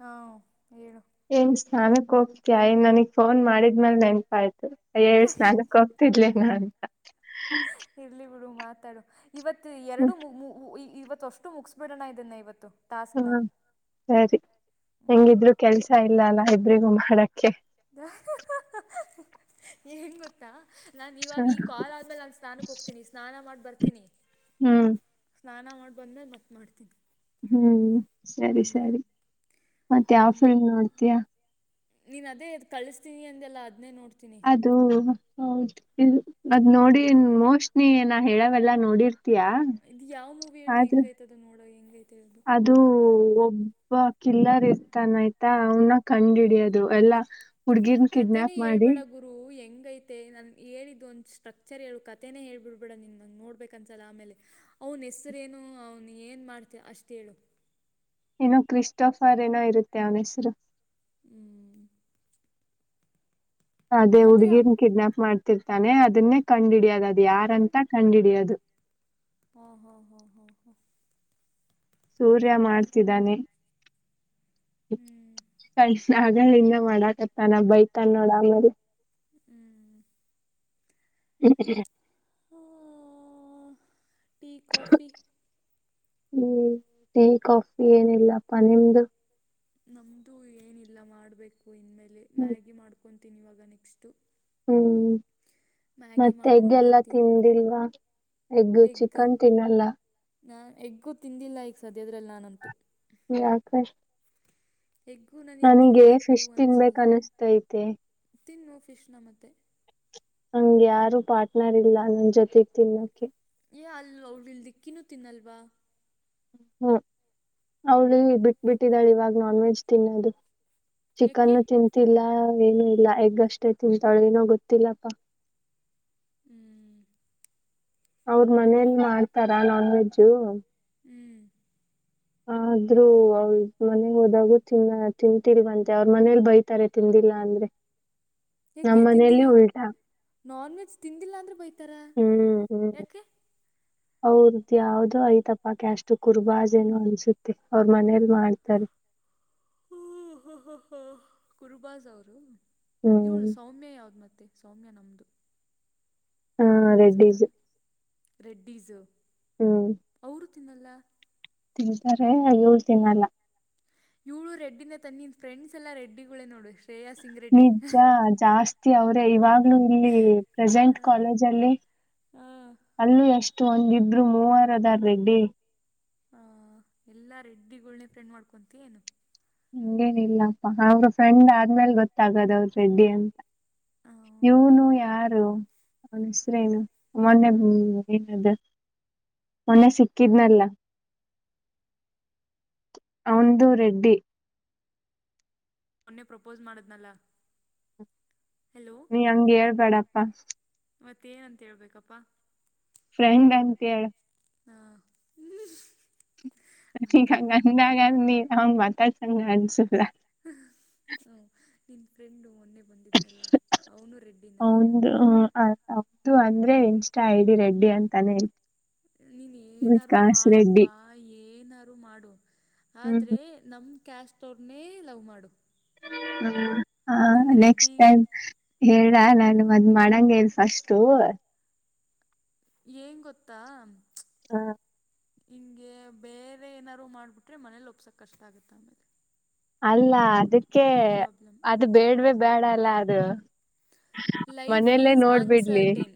ಹಾಂ ಹೇಳು ಎನ ಸ್ಥಾನ ಹೋಗ್ತ ನನಗ್ ಫೋನ್ ಮಾಡಿದ್ಮೇಲ ನೆನಪ ಆಯ್ತ. ಯ್ಯ ಸ್ನಾನಕ್ಕ ಹೋಗ್ತಿದ್ಲೇನ ಅಂತ. ಇರಲಿ ಬಿಡು ಇವತ್ತು ಎ ಎರಡು ಇವತ್ ಅಷ್ಟು ಮುಗಿಸಬಿಡೋಣ ಇದನ್ನ ಇವತ್ತು ಟಾಸ್ಕ್ನ ಹ್ಮ ಸರಿ ಹೆಂಗಿದ್ರು ಕೆಲ್ಸ ಇಲ್ಲ ಅಲ್ಲ ಇಬ್ರಿಗೂ ಮಾಡಕ್ಕೆ ಏನ್ ಗೊತ್ತಾ. ನಾನ್ ಹ ಇವಾಗ ಈ ಕಾಲ ಆದ್ಮೇಲೆ ನಾನ ಸ್ನಾನಕ್ಕ ಹೋಗ್ತೀನಿ ಸ್ನಾನ ಮಾಡ ಬರ್ತೀನಿ. ಹ್ಮ. ಸ್ನಾನ ಮಾಡಿ ಬಂದೇ ಮತ್ತ ಮಾಡ್ತಿತಿ. ಹ್ಮ ಸರಿ ಸರಿ ಮತ್ತ ಯಾವ ಫಿಲ್ಮ್ ನೋಡ್ತಯಾ. ನೀನ್ ಅದೇ ಕಳಿಸ್ತೀನಿ ಅಂದ ಎಲ್ಲ ಅದ್ನೇ ನೋಡ ಅದು ಹೌದ ಇ ಅದ್ ನೋಡಿ ಮೋಸ್ಟ ನೀ ನಾ ಹೇಳಾವಲ್ಲಾ ನೋಡಿರ್ ಇದು ಯಾವ ಮೂವಿ ಹೇಳು ಹೆಂಗ ಆಯ್ತದ ನೋಡ ಹೆಂಗ ಅದು ಒಬ್ಬ ಕಿಲ್ಲರ್ ಇರ್ತಾನ ಆಯ್ತ ಅವನ್ನ ಕಂಡ ಹಿಡಿಯೋದು ಎಲ್ಲಾ ಹುಡ್ಗಿರ್ನ್ ಕತೆೆನೇ ಕಿಡ್ನಾಪ್ ಮಾಡಿ ಹೇಳ್ಬೇಡ ಗುರು ಹೆಂಗ ಐ ನಾನ್ ಹೇಳಿದ್ದ ಒಂದ ಸ್ಟ್ರಕ್ಚರ್ ಹೇಳು ಕತೆನೇ ಹೇಳ್ಬಿಡ್ಬೇಡ ನೋಡ್ಬೇಕು ಅನ್ಸಲ್ಲ ಆಮೇಲೆ ಅವನ ಹೆಸರೇನು ಅವ್ನ ಏನ ಮಾಡ್ತ ಅಷ್ಟ ಹೇಳು. ಏನೋ ಕ್ರಿಸ್ಟೋಫರ್ ಏನೋ ಇರುತ್ತೆ ಅವನ ಹೆಸರು. ಹ್ಮ. ಅದೇ ಹಾಂ ಹುಡ್ಗಿರ್ನ ಕಿಡ್ನಾಪ್ ಮಾಡ್ತ ರ್ತಾನೆ ಅದನ್ನೇ ಕಂಡಹಿಡಿಯದ ಅದು ಯಾರಂತ ಕಂಡ ಹಿಡಿಯದು. ಹಾ ಹಾ ಹಾ ಹಾ ಹಾ. ಸೂರ್ಯ ಮಾಡ್ತಿದ್ದಾನೆ ಹ್ಞೂ ಕ ಆಗ ಹಿಂದ ಮಾಡಾಕತ್ತಾನ ಬೈತ ನೋಡ ಆಮೇಲ ಹ್ಮ. [inaudible] ಆ ಟಿ ಕಾಫಿ. ಹ್ಮ ಟಿ ಕಾಫಿ ಏನಿಲ್ಲಪ್ಪ ನಿಮ್ದು. ನಮ್ದು ಏನಿಲ್ಲ ಮಾಡ್ಬೇಕು ಇನ್ಮೇಲೆ ಮ್ಯಾಗಿ ಮಾಡ್ಕೊತೀನಿ ಇವಾಗ ನೆಕ್ಸ್ಟ ಹ್ಮ. ಮತ್ತೆ ಎಗ್ ಮಾಡ್ಕೊಂಡು ಎಲ್ಲ ತಿಂತೀನಿ ತಿಂದಿಲ್ವಾ ಎಗ್ ಚಿಕನ್ ತಿನ್ನಲ್ಲ. ನಾ ಎಗ್ಗು ತಿಂದಿಲ್ಲ ಈಗ ಸದ್ಯದ್ರಲ್ಲಿ ನಾನಂತು. ಯಾಕಾಶ್ ಎಗ್ಗು ನನಗೆ ತಿನ್ನಬೇಕು ಫಿಶ್ ತಿನ್ಬೇಕ ಅನಿಸಿಲ್ಲ ಅನಿಸ್ತೈತೆ. ತಿನ್ನು ಫಿಶ್ನ ಮತ್ತೆ. ನಂಗ ಯಾರು ಪಾರ್ಟ್ನರ್ ಇಲ್ಲ ನನ್ ಜೊತೆ ತಿನ್ನೋಕೆ. ಏ ಅಲ್ಲ ಡಿಲ್ ದಕ್ಕಿನ ತಿನ್ನ ಅಲ್ವಾ. ಹ್ಮ ಅವಳ ಬಿಟ್ ಬಿಟ್ಟಿದಾಳೆ ಇವಾಗ ನಾನ್ ವೆಜ್ ತಿನ್ನೋದು. ಯಾಕೆ ಚಿಕನ್ ತಿಂತಿಲ್ಲ. ಏನು ಇಲ್ಲ ಎಗ್ ಅಷ್ಟೇ ತಿಂತಾಳೆ ಏನೋ ಗೊತ್ತಿಲ್ಲಪ್ಪಾ. ಹ್ಮ. ಅವ್ರ ಮನೇಲಿ ಮಾಡ್ತಾರ ನಾನ್ ವೆಜ್ಜು. ಹ್ಞೂ ಹಾ [unintelligible] ಆದ್ರೂ ಅವ ಮನೆ ಹೋದಾಗೂ ತಿನ್ನ ತಿಂತಲ್ವಂತೆ ಅವ್ರ ಮನೇಲಿ ಬೈತಾರೆ ತಿಂದಿಲ್ಲ ಅಂದ್ರೆ ನಮ್ ಯಾಕೆ ಮನೇಲಿ ತಿಂದಿಲ್ಲ ಉಲ್ಟಾ ನಾನ್ ವೆಜ್ ತಿಂದಿಲ್ಲಾ ಅಂದ್ರೆ ಬೈತ ತರ ಯಕೆ ಅವ್ರ್ದ ಯಾವ್ದೋ ಐತಪಾಕೆ ಅಷ್ಟು ಕುರ್ಬಾಜೇನು ಅನ್ಸುತ್ತೆ ಅವ್ರ ಮನೇಲ್ ಮಾಡ್ತಾರೆ [unintelligible] ಹ್ಮ್ ಹ್ಮ್ ಹ್ ಹ್ಮ್ ಕುರುಬಾಜ್ ಅವರು ಇವಳ ಹ್ಮ್ ಸೌಮ್ಯ ಯಾವ್ದ್ ಮತ್ತೆ ಸೌಮ್ಯ ನಮ್ದು ಹಾ ರೆಡ್ಡಿಜು ರೆಡ್ಡಿಸು ಹ್ಮ್ ನ್ನಲ್ಲ ತಿಂತಾರೆ ಏಳ್‌ ತಿನ್ನಲ್ಲ ಯೂಳು ರೆಡ್ಡಿನ ತನ್ನಿ ಫ್ರೆಂಡ್ಸ್ಲ್ ರೆಡ್ಡಿಗಳೇ ನೋಡು ಶ್ರೇಯಾ ಸಿಂಗ ನಿಜ ಜಾಸ್ತಿ ಅವ್ರೆ ಇವಾಗ್ಲುೂ ಇಲ್ಲಿ ಪ್ರೆಸೆಂಟ್ ಕಾಲೇಜ ಅಲ್ಲಿ ಹಾ ಅಲ್ಲೂ ಎಷ್ಟು ಒಂದಿಬ್ರು ಮೂವರದಾರ್ ರೆಡ್ಡಿ ಹ ಎಲ್ಲಾ ರೆಡ್ಡಿ ಗನಿ ಪ್ರೆಂಡ್ ಮಾಡ್ಕೊಂತ ಏನು ಹಂಗೇನಿಲ್ಲಪ್ಪಾ ಅವ್ರ ಫ್ರೆಂಡ್ ಆದ್ಮೇಲೆ ಗೊತ್ತಾಗದ ಅವರು ರೆಡ್ಡಿ ಅಂತ ಇವನು ಯಾರು ಹ ಹೆಸ್ರೇನು ಮೊನ್ನೆ ಏನ್ದ ಮೊನೆ ಸಿಕ್ಕಿದ್ನಲ್ಲ ಅವಂದು ರೆಡ್ಡಿ ಮೊನ್ನೆ ಪ್ರಪೋಸ್ ಮಾಡದ್ನಲ್ಲ ನೀ ಹಂಗ ಹೇಳ್ಬೇಡಪ್ಪಾ ಮತ್ತೇಏನಂತ ಹೇಳ್ಬೇಕಪ್ಪಾ ಫ್ರೆಂಡ್ ಅಂತೇಳ ಆಯ್ತಪ್ಪ ಗಂದಾಗ ನೀ ಅವನ್ ಮಾತಾಡ್ ಅ ನಿನ್ ಫ್ರೆಂಡು ಮೊನ್ನೆ ಬಂದಿದ್ನಲ್ಲ ಅವನು ರೆಡ್ಡಿನ ಹೌದು ಅಂದ್ರೆ ಇನ್ಸ್ಟಾ ಐ ಡಿ ರೆಡ್ಡಿ ಅಂತಾನೇ ಹೇತವಿ ನೀನ್ ಏನಾರು ವಿಕಾಸ್ ರೆಡ್ಡಿ ಮಾಡಪ್ಪಾ ಏನಾರು ಮಾಡು ಹ್ಮ್ ಆದ್ರೆ ನಮ ಕ್ಯಾಸ್ಟ್ ಅವ್ರನೇ ಲವ್ ಮಾಡು ಹ ಹ ಹಿಂಗ್ ನೆಕ್ಸ್ಟ್ ರೆಡ್ಡಿ ಟೈಮ್ ಹೇಳ ನಾನು ಮದ್ ಮಾಡಂಗ ಇಲ್ ಫಸ್ಟು ಏನ್ ಗತ್ತಾ ಹಾ ಹಿಂಗೆ ಬೇರೆ ಏನಾರರು ಮಾಡ್ಬಿಟ್ರೆ ಮನೇಲಿ ಒಪ್ಸಕ್ ಕಷ್ಟ ಆಗತ್ತ ಆಮೇಲೆ ಅಲ್ಲ ಅದಕ್ಕೆ ಅದು ಪ್ರಾಬ್ಲಮ್ ಅದು ಬೇಡ್ವ ಬೇಡ ಅಲ್ಲ ಅದು ಲೈಫ್ ಮನೇಲ್ಲೇ ಈಸ್ ನೋಡ್ಬಿಡ್ಲಿ ಅನ್ಸರ್ಟೈನ್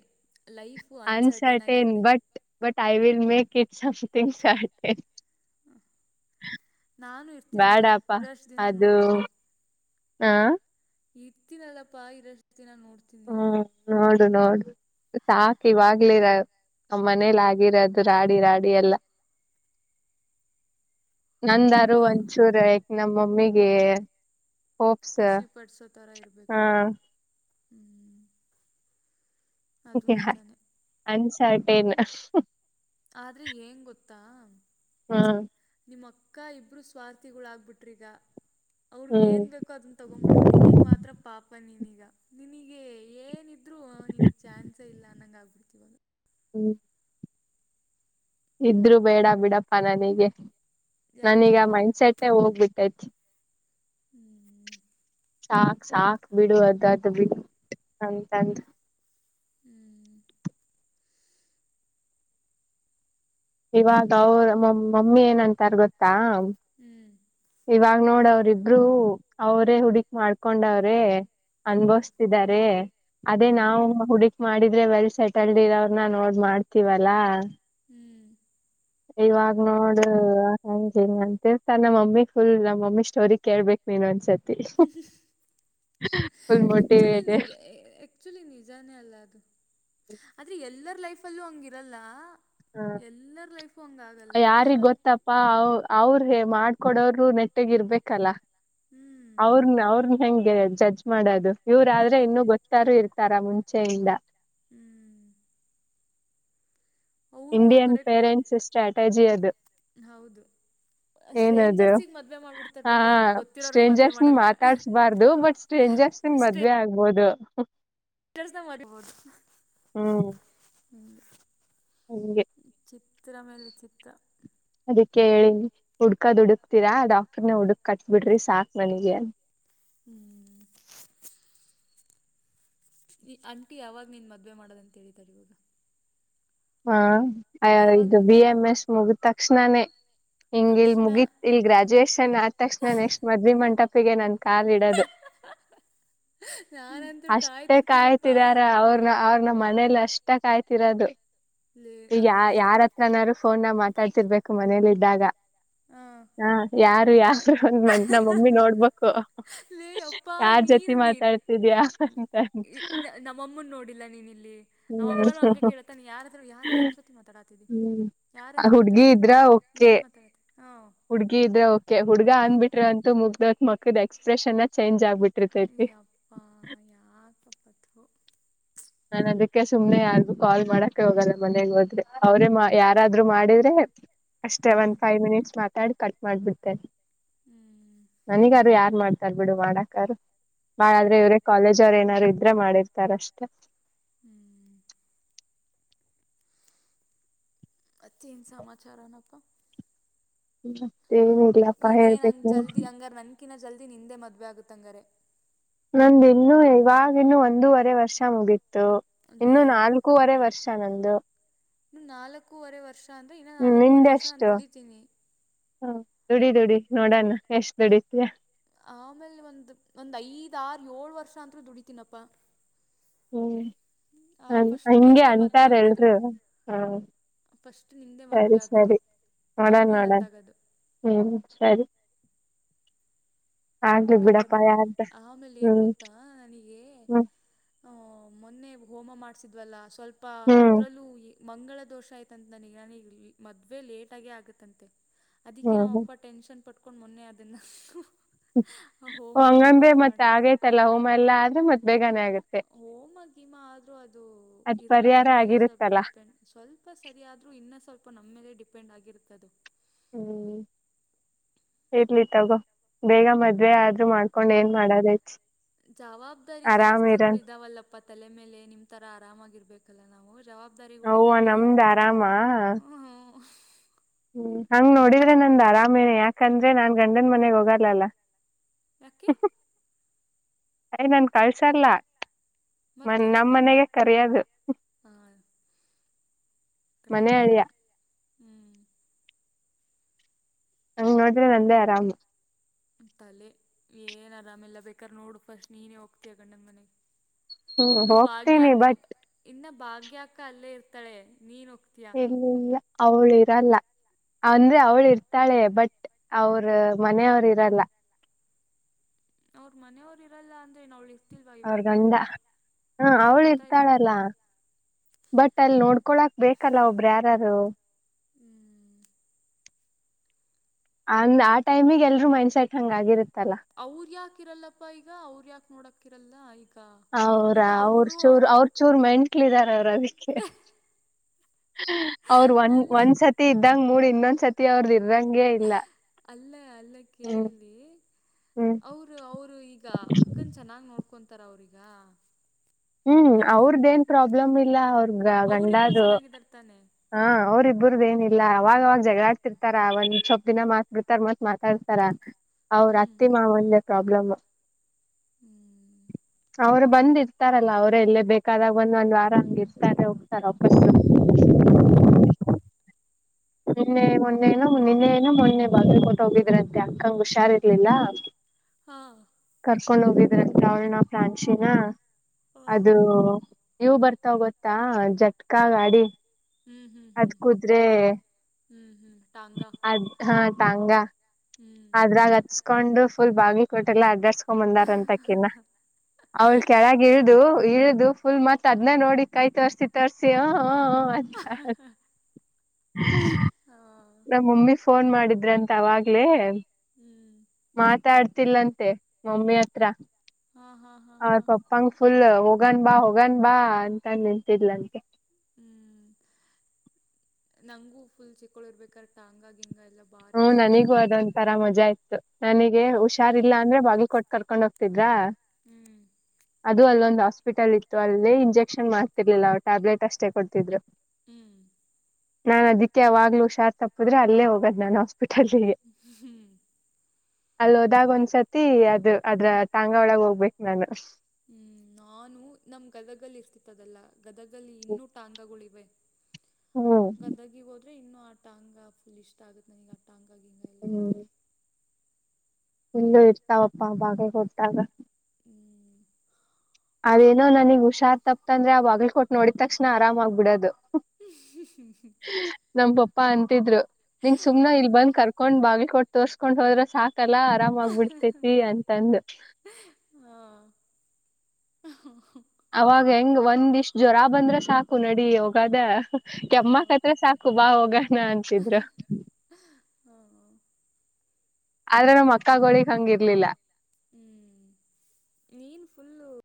ಲೈಫು ಅನ್ಸರ್ಟೈನ್ ಅನ್ಸರ್ಟೇನ್ ಆಗಿರುತ್ತೆ but but I will make it something started ನಾನು ಇರ್ತೀನಲ್ಲಾ ಇರಷ್ಟ ದಿನ ನೋಡ್ತೀನಿ ಹಾ ಇತ್ತಿನಲ್ಲಪ್ಪಾ ಇದರಷ್ಟ ದಿನ ನೋಡ್ತೀನಿ ರೋನಾಲ್ಡ್ ಸಾಕ ಇವಾಗ್ಲಿರ ನಮ್ಮ ಮನೇಲಿ ಆಗಿರೋದು ರಾಡಿ ರಾಡಿ ಎಲ್ಲ ನಂದಾರು ಅಪ್ಪ ಒಂಚೂರಕ್ ನಮ್ಮ ಮಮ್ಮಿಗೆ ಹೋಪ್ಸ್ ಖುಷಿ ಪಡ್ಸೋ ತರ ಹ ಇರ್ಬೇಕು ಹ್ಮ್ ್ ಅನ್ಸರ್ೆನ್ ಆದ್ರೆ ಏಂಗ ಗೊತ್ತಾ ಹಾ ನಿಮ್ಮ ಅಕ್ಕ ಇಬ್ರು ಸ್ವಾರ್ಥಿಗಳಾಗಬಿಟ್ರಿಗ.. [unintelligible] ಅವ್ರಗ್ ಏನ್ ಹ್ಮ್ ಬೇಕೋ ಅದನ್ ತಗೊಬಿಟ್ರು ನಿನಗ್ ಮಾತ್ರ ಪಾಪ ನೀನ್ಗ ಇದ್ರರು ನಿನಗ್ ಚಾನ್ಸ ಇಲ್ಲ ಅನ್ನಂಗಗೆ ಆಗ್ಬಿಡ್ತಿ ಬದು ಹ್ಮ ಇದ್ರು ಬೇಡ ಬಿಡಪ್ಪಾ ನನಗೆ ನನೀಗ ಯಾಕಪ್ಪ ಮೈಂಡ್ಸೆಟ್ ಹೋಗ್ಬಿಟ್ಟೈತಿ ಹ್ಮ್ ಸಾಕ್ ಸಾಕ್ ಬಿಡು ಅದದು ಬ [unintelligible] ಅಂತಂದ ಹ್ಮ್ ಇವಾಗ ಅವ್ರ ಮಮ್ಮಿ ಏನಂತಾರ ಗೊತ್ತಾ ಹ್ಮ್ ಇವಾಗ ನೋಡ ಅವ್ರಿಬ್ರು ಅವ್ರೇ ಹುಡಕ್ ಮಾಡ್ಕೊಂಡವ್ರೇ ಹ್ಞೂ ಅನ್ಭವಸ್ತಿದಿದ್ದಾರೆ ಅದೇ ಹ್ಞೂ ನಾವು ಹುಡುಕೀ ಮಾಡಿದ್ರೆ ಬಲ್ ಸೆಟಲ್ದರ ಅವ್ರನ್ನ ನೋಡ್ ಮಾಡ್ತೀವಲ್ಲಾ ಹ್ಞೂ ಇವಾಗ್ ನೋಡು ಹಗೆ ನಂತೇಳ್ತ ನಮ್ಮ ಮಮ್ಮಿ ಫುಲ್ ನಮ ಮಮ್ಮಿ ಸ್ಟೋರಿ ಕೇಳ್ಬೇಕು ನೀನೊಂದ್ ಸರಿ ಹ್ಮ ಫುಲ್ ಆಕ್ಚುಲಿ ಮೋಟಿವೇಟ್ ನಿಜ ಆಕ್ಚುಲಿ ನಿಜಾನೇ ಅಲ್ಲ ಅದು ಆದ್ರೆ ಎಲ್ಲರ ಲೈಫ್ ಅಲ್ಲೂ ಹಂಗಿರಲ್ಲ ಹ್ಮ ಎಲ್ಲರ ಲೈಫು ಹಂಗಾಗಲ್ಲ ಯಾರಿಗ್ ಸ್ವಲ್ಪ ಗೊತ್ತಪ್ಪಾ ಅವ ಅವ್ರ ಮಾಡ್ಕೊಡೋರು ನೆಟ್ಟಗ ಇರ್ಬೇಕಲ್ಲ ಹ್ಮ್ ಅವ್ರನ್ನ ಅವ್ರನ್ನ ಹೆಂಗೆ ಜಡ್ಜ್ಮಾಡೋದು ಇವ್ರ ಆದ್ರೆ ಹೌದು ಇನ್ನುೂ ಗೊತ್ತಾರೂ ಇರ್ತಾರ ಮುಂಚೆಯಿಂದ ಹ್ಮ್ ಅವ್ರು ನಾವು ಇಂಡಿಯನ್ ಕರೆಕ್ಟು ಪೇರೆಂಟ್ಸ್ ಸ್ಟ್ರಾಟಜಿ ಅದು ಹೌದು ಏನದು ಸ್ಟ್ರೇಂಜರ್ಸಿಗೆ ಮದುವೆ ಮಾಡ್ಬಿಡ್ತಾರೆ ಹ ಬೇಕಾದ್ರೆ ಅವ್ರಿಗೆ ಗೊತ್ತಿರೋರಿಗೆ ಮದುವೆ ಸ್ಟೇಜರ್ಸ್ ಮಾಡಲ್ಲ ಮಾತಾಡ್ಸ್ಬಾರ್ದು ಬಟ್ ಸ್ಟೇಜ್ ಸ್ಟೇಜರಸ್ ಮದ್ವೆ ಆಗ್ಬೋದು ಹ್ಮ್ [unintelligible] ಹಂಗೆ ವಿಚಿತ್ರ ಮೇಲೆ ವಿಚಿತ್ರ ಅದಕ್ಕೆ ಹೇಳಿ ಹುಡ್ಕದ್ ಹುಡುಕ್ತೀರಾ ಡಾಕ್ಟರ್ನ ಹುಡುಕ್ ಕಟ್ ಬಿಡ್ರಿ ಸಾಕ್ ನನಗೆ ಅಂತ ಹ್ಮ್ ಈ ಅಂಟಿ ಯಾವಾಗ ನೀನು ಮದುವೆ ಮಾಡೋದಂತೇಳತಾರೆ ಇವಾಗ ಹಾಯ ಯಾವಾಗ ಇದು ಬಿ ಮದ್ವೆ ಏಮ್ ಎಸ್ ಮುಗಿದ ತಕ್ಷಣಾನೇ ಹಿಂಗ ಇಲ್ ತಕ್ಷಣ ಮುಗೀತ್ ಇಲ್ ಗ್ರಾಜುಯೇೇಶನ್ ಆದ ತಕ್ಷಣ ನೆಕ್ಸ್ಟ್ ಮದ್ಲಿ ಮಂಟಪಿಗೆ ನನ್ ಕಾಲ್ ಇಡದು ನಾನಂತೂ ಅಷ್ಟೇ ಕಾಯ್ತಿರ್ತೀನಪ್ಪಾ ಕಾಯ್ತಿದಾರ ಅವ್ರನ ಅವ್ರನ ಮನೇಲಿ ಅಷ್ಟೇ ಇಷ್ಟ ಕಾಯ್ತಿರೋದು ಲೇ ಈ ಯ ಹಂಗರ್ಜ ಯಾರತ್ರನರು ಫೋನ್ ಮಾತಾಡ್ತಿರ್ಬೇಕು ಮನೇಲಿ ಇದ್ದಾಗ ಹ ಹಾ ಯಾರು ಯಾ ಒಂದ್ ಮಂದ ನ ಮಮ್ಮಿ ನೋಡ್ಬೇಕು ಅಲ್ಲೇ ಅಪ್ಪಾ ಯಾರ್ ಜೊತಿ ನೀನ್ ನೀನ್ ಮಾತಾಡ್ತಿದ್ಯಾ ಅಂತ ಹ್ಮ್ ನಮ್ಮಮ್ಮನ್ ನೋಡಿಲ್ಲ ನೀನ್ ಇಲ್ಲಿ ನಾವ ಅಮ್ಮಾರ ಹಂಗೆ ಕೇಳತಾನ ಯಾರಾದ್ರು ಯಾರ ಯಾರ ಜೊತಿ ಮಾತಾಡಾತಿದ್ದಿ ಹ್ಮ್ ಹುಡ್ಗಿ ಇದ್ರ ಕೆ ಮಾತಾಡತಿ ಹಾ ಹುಡ್ಗಿ ಇದ್ರೆ ಕೆ ಹುಡ್ಗಿ ಹುಡುಗ ಹಾ ಅಂದ್ಬಿಟ್ರ ಅಂತೂ ಮುಗ್ದೋತ್ ಮುಖದ ಎಕ್ಸ್ಪ್ರೆಷನ್ ಚೇಂಜ್ ಆಗ್ಬಿಟ್ಟ ಯಾಪ್ಪಾ ಯಾಕಪ್ಪತ್ ಅದ್ಕೆ ಸುಮ್ನೆ ಯಾರ್ದು ಕಾಲ್ ಮಾಡಕ್ಕೆ ಹೋಗಲ್ಲ ಮನೆಗ್ ಹೋದ್ರೆ ಅವ್ರೇ ಯಾರಾದ್ರು ಮಾಡಿದ್ರೆ ಅಷ್ಟೇ ಹ್ಮ್ ಒನ್ ಫೈವ್ ಮಿನಿಟ್ಸ್ ಮಾತಾಡಿ ಕಟ್ ಮಾಡ್ಬಿಡ್ಟ್ಟೆ ಹ್ಮ್ ನನಗಾರು ಯಾರ್ ಮಾಡ ಬಿಡು ಮಾಡಕಾರ ಹ್ಮ್ ಮಾಡಾದ್ರೆ ಇವ್ರೇ ಕಾಲೇಜ್ ಅವರು ಏನಾದಾರರು ಇದ್ರೆ ಮಾಡಿರ್ತಾರ ಅಷ್ಟೆ ಹ್ಮ್ ಮತ್ತೆ ಏನ ಸಮಾಚಾರಪ್ಪ ಮತ್ತೆ ಏನಿಲ್ಲಪ್ಪ ಈಗೇ ಹೇಳ್ಬೇಕ ನಂಗೆ ಜಲ್ದಿ ನೀನೇ ಹಂಗಾರ ನನ್ಕಿನ್ನ ಜಲ್ದಿ ನಿಂದೆ ಮದುವೆ ಆಗುತ್ತೆ ಆಗಿದ್ರೆ ನಂದ ಇನ್ನುೂ ಇವವಾಗಿ ಇನ್ನು ಒಂದೂವರೆ ವರ್ಷ ಮುಗಿತಿ ಅಂದರೆ ಇನ್ನುೂ [unintelligible] ನಾಲ್ಕೂವರೆ ವರ್ಷ ನಂದುಂದು ಇ ನಾಲ್ಕೂವರೆ ವರ್ಷ ಅಂದ್ರೆ ಇನ್ನ ಹ್ಮ್ ನಾಲ್ಕೂವರೆ ವರ್ಷ ನಾು ನಿಂದೆಷ್ಟು ದುಡಿತೀನಿ ನೋಡಣ ಆಮೇಲೆ ಒಂದು ಒಂದ್ ಐದ ಏಳ್ ವರ್ಷ ಅಂತತ್ೂ [unintelligible] ದುಡಿತೀನಪ್ಪಾ ಹ್ಮ್ ಫಸ್ಟು ಹಗೆ ನಿಂದೆ ಮದುವೆ ಅಂತಾರ ಆಗೋದು ಎಲ್ರು ಹಾ ಫಸ್ಟ್ ನಿಂದೆ ಸರಿ ಮದುವೆ ಆಗೋದು ಸರಿ ನೋಡಣ ಆಮೇಲೆ ನೋಡಣ ನಂದಾಗೋದು ಹ್ಮ್ ಸರಿ ಆಗ್ಲಿ ಬೇಕಾರ್ ಬಿಡಪ್ಪ ನೋಡ್ ಯಾರ್ದ ಆಮೇಲೆ ಹೆಂಗ ಹ್ಮ್ ಗೊತ್ತಾ ನನಗೆ ಹ್ಮ್ ಆ ಮೊನ್ನೆ ಹೋಮ ಮಾಡ್ಸಿದ್ವಲ್ಲ ಸ್ವಲ್ಪ ಹ್ಮ್ ಅದ್ರಲ್ಲೂ ಮಂಗಳ ದೋಷ ಆಯ್ತಂತ [unintelligible] ನನಗೆಗ ನಾನಗ ಮದ್ವೆ ಲೇಟ್ ಆಗೇ ಆಗತ್ತಂತೆ ಅದಿಕ್ಕೆ ಹ್ಮ್ ಹ್ಮ್ ನಮ್ಮಪ್ಪ ಟೆನ್ಶನ್ ಪಟ್ಕೊಂಡ್ ಮೊನ್ನೆ ಅದನ್ನ ಹಂಗಂದ್ರೆ ಮತ್ ಆಗೇೈತಲ್ಲ ಹೋಮ [unintelligible] ಎಲ್ಲಾ ಆದ್ರೆ ಮತ್ತ್ ಬೇಗನೆೇ ಆಗತ್ತೆ ಹೋಮ ಗೀಮಾ ಆದ್ರೂ ಅದು ಇರುತ್ತೆ ನಮ್ಮ ಪರಿಹಾರ ಮೇಲೆ ಸ್ವಲ್ಪ ಆಗಿರುತ್ತಲ್ಲ ಡಿಪೆಂಡ್ ಸ್ವಲ್ಪ ಸರಿಾದ್ರರು ಇನ್ನು ಸ್ವಲ್ಪ ನಮ್ಮ ಮೇಲೆ ಡಿಪೆಂಡ್ ಆಗಿರ್ತದು ಹ್ಮ್ ಇರ್ಲಿ ತಗೋ ಬೇಗ ಮದ್ವೆ ಆದ್ರರು ಮಾಡ್ಕೊಂಡ್ ಏನ್ ಮಾಡದಚ್ಚ ಜವಾಬ್ದಾರಿ ಜಾಸ್ತಿಗಳು ಇದಾವಲ್ಲಪ್ಪ ತಲೆ ಮೇಲೆ ನಿಮ್ ತರ ಆರಾಮಾಗಿರ್ಬೇಕು ಲ್ಲ ನಾವು ಜವಾಬ್ದಾರಿಗಳು ಅವ್ವ ಇದಾವೆ ನಮ್ದ್ ಆರಾಮ ಹ ಹ್ಮ್ ಹಂಗ್ ನೋಡಿದ್ರೆ ನಂದ್ ಆರಾಮೇನೆ ಯಾಕಂದ್ರೆ ನಾನ್ ಗಂಡನ್ ಮನೆಗ್ ಹೋಗಲ್ಲಲ್ಲ ಯಾಕೆ ಅಯ್ ನನ್ ಕಳ್ಸಲ್ಲ ಮನ್ ನಮ ಮನೆಗೆ ಕರಿಯೋದು ಹಾ ಮನೆ ಅಳಿಯ ಹ್ಞೂ ಹಂಗ ನೋಡ್ರೆ ನಂದೇ ಆರಾಮು ತಲೆ ಏನ್ ಆರಾಮೆಲ್ಲ ಬೇಕಾದ ನೋಡು ಫಸ್ಟ್ ನೀನೇ ಹೋಗ್ತಯ ಗಂಡಂಗ ಮನೆಗೆ ಹ್ಮ್ ಹೋಗ್ತೇನಿ ಬಟ್ ಭಾಗ್ಯಾಕ ಅಲ್ಲೇ ಇರ್ತಾಳೆ ನೀನ್ ಇಲ್ಲಿಲ್ಲ ಅವಳ ಇ ಇರಲ್ಲ ಅಂದ್ರೆ ಅವಳು ಇರ್ತಾಳೆ ಬಟ್ ಅವ್ರ ಮನೆಯವ್ರ ಇರಲ್ಲ ಅವ್ರ ಮನೆಯವರು ಇರಲ್ಲ ಅಂದ್ರೆ ನ ಅವಳಿಸ ಅವ್ರ ಗಂಡ ಹಾ ಅದೇ ಅವಳು ಗೊತ್ತಾಯಿತು ಇರ್ತಾಳಲ್ಲ ಬಟ್ ಅಲ್ ನೋಡ್ಕೊಳಕ್ ಬೇಕಲ್ಲ ಒಬ್ರ ಯಾರಾರು ಹ್ಞೂ ಅ ಆ ಟೈಮಿಗೆ ಎಲ್ರೂ ಮೈಂಡ್ಸೆಟ್ ಹಂಗ ಆಾಗಿಿರುತ್ತೆ ಅವ್ರ ಯಾಕ ಇರಲ್ಲಪ್ಪ ಈಗ ಅವ್ರ ಯಾಕ ನೋಡಕ್ ಇರಲ್ಲ ಈಗ ಅವರ ಈಗ ಅವ್ರ ಅವರು ಚೂರ್ ಅವರು ಅವ್ರ ಚೂರ್ ಮೆಂಟ್ಲ್ ಇದಿದಾರ ಅವ್ರ ಅದಕ್ಕೆ ಅವ್ರ ಒಂದ್ ಅಲ್ಲ ಒಂದ್ಸತಿ ಇದ್ದಂಗ ಮೂಡ್ ಇನ್ನೊಂದ್ ಸತಿ ಅವ್ರದ ಇರಂಗೆ ಇಲ್ಲ ಅಲ್ಲ ಅಲ್ಲ ಕೇಳಿ ಹ್ಮ್ ಇಲ್ಲಿ ಹ್ಮ್ ಅವರು ಅವರು ಈಗ ಅಕ್ಕನ್ ಚೆನ್ನಾಗ್ ನೋಡ್ಕೊಂತಾರ ಅವ್ರಿಗ ಹ್ಮ್ ಅವ್ರದ ಏನ್ ಪ್ರಾಬ್ಲಮ್ ಇಲ್ಲ ಅವ ಗ ಅವರಿಬ್ರು ಗಂಡದು ಚೆನ್ನಾಗಿದಾರ ತಾನೆ ಹ ಅವರಿಬ್ ಒಬ್ಬರದ ನಿಲ್ಲ ಅವಾಗವಾಗ ಜಗಳಾಡ್ತಿರ್ತಾರ ಒಂದ್ ಚೊಪ್ಪಪ್ ದಿನ ಮಾತ್ ಬಿಿಡ್ತಾರ ಮತ್ ಮಾತಾಡ್ತಾರ ಹ್ಞೂ ಅವರತ್ತಿ ಮಾವ ಒಂದೆ ಪ್ರಾಬ್ಲಮ್ ಹ್ಮ್ ಅವ್ರು ಬಂದಿರ್ತಾರಲ್ಲ ಅವರೇ ಎಲ್ಲೇ ಬೇಕಾದಾಗ ಒಂದ್ ಒಂದ್ ವಾರ ಹಂಗ ಇರ್ತಾರೆ ಹೋಗ್ತಾರ ಹ್ಮ್ [unintelligible] ನಿನ್ನೆ ಮೊನ್ನೆನೋ ನಿನ್ನೆ ಏನೋ ಮೊನ್ನೆ ಬದ್ರ ಕೊಟ್ಟ ಹೋಗಿದ್ರಂತೆ ಅಕ್ಕಂಗ ಹುಷಾರ್ ಇರ್ಲಿಲ್ಲ ಹಾಂ ಕರ್ಕೊಂಡ್ ಹೋಗಿದ್ರಲ್ ಅವಳ ನಾ ಪ್ರಾಂಶಿನ [inaudible] ಅದು ನೀವು ಬರ್ತಾ ಗೊತ್ತಾ ಜಟ್ಕಾ ಗಾಡಿ ಅದ್ ಕೂದ್ರೆ ಹ್ಮ್ ಹ್ಮ್ ಅದ ಹಾ ತಾಂಗ ಹ್ಞೂ ಕೊಟಲ್ಲ ಅಡಡ್ಸ್ಕೊಂಡ್ ಬಂದಾರ ಅಂತಕಿನ ಅವ್ಳ ಕೆಳಗ ಹಾಂ ಇಳ್ದು ಇಳು ಫುಲ್ ಮತ್ ಅದ್ ನೋಡಿ ಕೈ ತರ್ಸಿ ತರ್ಸಿ ಹಾ ಹಾಂ ನಮ್ಮ ಮಮ್ಮಿ ಫೋನ್ ಮಾಡಿ ಮಾಡಿದ್ರಂತ ಅವಾಗ್ಲೇ ಹ್ಞೂ ಮಾತಾಡ್ತಿಲ್ಲಂತೆ ಮಮ್ಮಿ ಹತ್ರ ಹಾ ಹಾ ಹಾ ಹ ಹಾ ಪಪ್ಪಾಂಗ ಫುಲ್ೋಗ ಹೋಗನ್್ ಬಾ ಹೋಗ್ ಬಾ ಅಂತ ನಿಂತಿಲ್ಲ ನಂಗೆ ಹ್ಮ್ ನಂಗೂ ಫುಲ್ ಚಿಕ್ಕಳ ಇರ್ಬೇಕಾರಟ ಹಂಗ ಹಿಂಗ ಹ್ಮ ನನಿಗೂ ಅದೊಂಂತರ ಮಜಾ ಇತ್ತು ನನಿಗೆ ನನಗೆ ಹುಷಾರ್ಿಲ್ಲಾ ಫುಲ್ಲು ಅಂದ್ರೆ ಬಾಗಿ ಕೊಟ್ಟ ಕರ್ಕೊಂಡ್ ಹೋಗ್ತಿದ್ರಾ ಹ್ಮ್ ಅದು ಅಲ್ಲೊಂದು ಆಸ್ ಹಾಸ್ಪಿಟಲ್ ಇತ್ತು ಅಲ್ಲೇ ಇಂಜೆಕ್ಷನ್ ಮಾಡ್ತಿರ್ಲಿಲ್ಲ ಅವವು ಟ್ಯಾಬ್ಲೆಟ್ ಅಷ್ಟೇ ಕೊಡ್ತಿದ್ರು ಹ್ಮ್ ನಾನ್ ಅದಿಕ್ಕೆ ಅವಾವಾಗ್ಲುೂ ಶಾರ್ ತಪ್ಪಿದ್ರೆ ಅಲ್ಲೇ ಹೋಗದ್ ನನ್ ಹಾಸ್ಪಿಟಲ್ಗೆ ಹ್ಮ್ ಅಲ್ ಹೋದಾಗ ಒಂದ್ಸತಿ ಅದು ಅದ್ರ ತಾಂಗಾ ಒಳಗ ಹೋಗ್ಬೇಕಕ್ ನಾನು ಹ್ಮ್ ನಾನು ನಮ್ ಗದಗಲ್ಲಿ ಇರ್ತಿತ್ತದಲ್ಲ ಗದಗದಲ್ಲಿ ಇನ್ನೂ ಟಾಂಗಗಳು ಇಿವವೆ ಹ್ಮ್ ಗದ್ದಗಗ್ ಹೋದ್ರೆ ಇನ್ನು ಆಟಾಂಗ ಫುಲ್ ಇಷ್ಟ ಆಗತ್ ನನಗ್ ಆಟಾಂಗ ಹ್ಮ ಇಲ್ಲ ಇರ್ತಾವಪ್ಪಾ ಬಾಗ ಕೊಟ್ಟಾಗ ಹ್ಮ್ ಅದೇನೋ ನನಗ್ುಷಾರ್ ತಪ್ಪತ ಅಂದ್ರೆ ಆ ಬಗ್ಲ ಕೊಟ್ಟು ನೋಡಿದ ತಕ್ಷಣ ಆರಾಮಾಗಗ್ಬಿಡೋದು ಹ್ಮ ಪ್ಪಾ ಅಂತಿದ್ರು ನಿಂಗ ಸುಮ್ನೆ ಇಲ್ ಬಂದ್ ಕರ್ಕೊಂಡ್ ಬಾಗಿಲಿ ಕೊಟ್ಟು ತೋರ್ಸ್ಕೊಂಡ್ ಹೋದ್ರೆ ಸಾಕ ಲಾ ಆರಾಮಾಗಬ ಬಿಡ್ತೇತಿ ಅಂತಂದ ಹಾ ಅವಾಗ ಹೆಂಗ ಒಂದ್ ಇಷ್ಟ್ ಜ್ವರ ಬಂದ್ರೆ ಸಾಕು ನಡಿ ಹೋಗದ ಹಾ ಕೆಮ್ಮಕತ್ರ ಸಾಕು ಬಾ ಹೋಗಣ ಅಂತಿದ್ರು ಆದ್ರೆ ನಮ್ಮ್ ಅಕ್ಕೋಳಗ್ ಹಂಗಿರ್ಲಿಲ್ಲ ಹ್ಮ್ ನೀನ್ ಫುಲ್ಲು